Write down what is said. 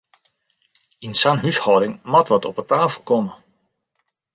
Yn sa'n húshâlding moat wat op 'e tafel komme!